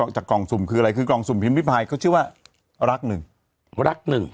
จากกล่องสุ่มคืออะไรคือกล่องสุ่มพิมพิพายเขาชื่อว่ารักหนึ่งรักหนึ่ง